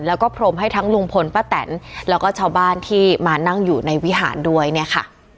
แล้วก็พรมให้ทั้งลุงพลป้าแตนแล้วก็ชาวบ้านที่มานั่งอยู่ในวิหารด้วยเนี่ยค่ะ